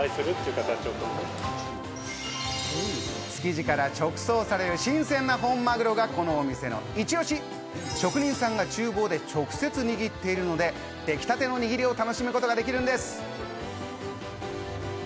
築地から直送される新鮮な本マグロがこのお店のイチオシ、職人さんが厨房で直接握っているので、出来立てなにぎりを楽しむことができるんです。